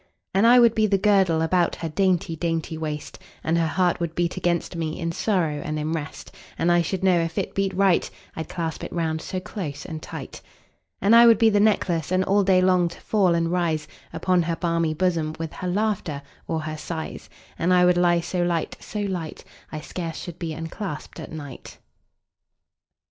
And I would be the girdle About her dainty dainty waist, And her heart would beat against me, In sorrow and in rest: 10 And I should know if it beat right, I'd clasp it round so close and tight. And I would be the necklace, And all day long to fall and rise Upon her balmy bosom, 15 With her laughter or her sighs: And I would lie so light, so light, I scarce should be unclasp'd at night.